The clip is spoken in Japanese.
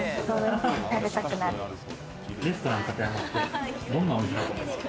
レストランカタヤマってどんなお店だと思いますか？